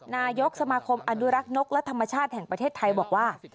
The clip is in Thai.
นายกสมาคมอนุรักษ์นกและธรรมชาติแห่งประเทศไทยบอกว่า